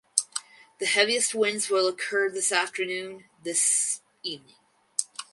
The heaviest winds will occur this afternoon, this evening.